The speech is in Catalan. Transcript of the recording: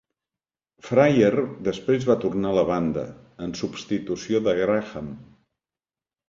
Fryer després va tornar a la banda, en substitució de Graham.